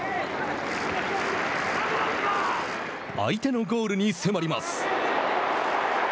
相手のゴールに迫ります。